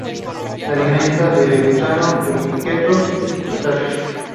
Se alimenta de gusanos poliquetos y de crustáceos.